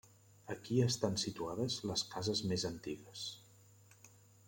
Aquí estan situades les cases més antigues.